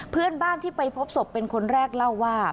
เพื่อนบ้านที่ไปพบศพเป็นคนแรกเล่าว่า